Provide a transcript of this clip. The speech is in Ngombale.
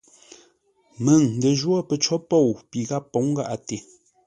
Məŋ ndə jwó pəcǒ pôu pi gháp pǒŋ gháʼate.